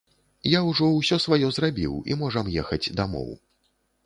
Я ўжо ўсё сваё зрабіў, і можам ехаць дамоў.